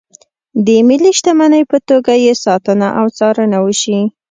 د ملي شتمنۍ په توګه یې ساتنه او څارنه وشي.